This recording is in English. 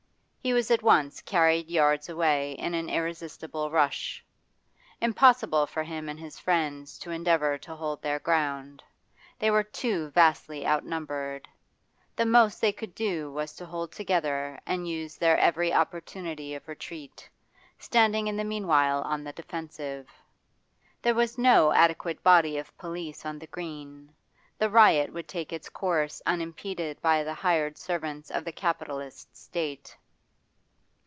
He was at once carried yards away in an irresistible rush. Impossible for him and his friends to endeavour to hold their ground: they were too vastly outnumbered; the most they could do was to hold together and use every opportunity of retreat, standing in the meanwhile on the defensive. There was no adequate body of police on the Green; the riot would take its course unimpeded by the hired servants of the capitalist State.